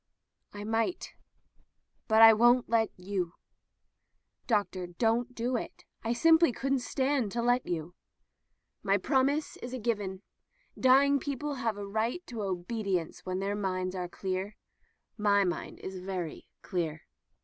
"I might. But I won't let you." "Doctor, don't do it. I simply couldn't stand it to let you." "My promise is given. Dying people have a right to obedience when their minds are clear. Mine is very clear."